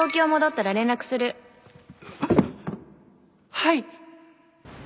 はい！